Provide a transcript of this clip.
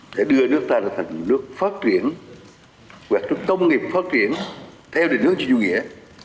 để đưa nước ta thành một nước phát triển hoạt động công nghiệp phát triển theo đề nước chung nghĩa